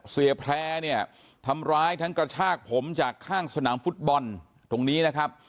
แพร่เนี่ยทำร้ายทั้งกระชากผมจากข้างสนามฟุตบอลตรงนี้นะครับ